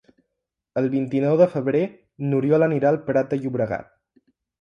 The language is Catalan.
El vint-i-nou de febrer n'Oriol anirà al Prat de Llobregat.